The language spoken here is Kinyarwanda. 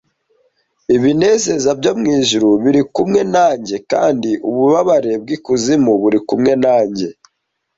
Ibinezeza byo mwijuru biri kumwe nanjye kandi ububabare bw'ikuzimu buri kumwe nanjye,